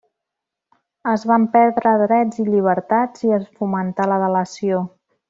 Es van perdre drets i llibertats i es fomentà la delació.